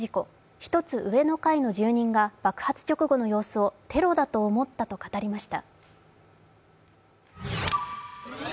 一つ、上の階の住人が爆発直後の様子をテロだと思ったと語りました。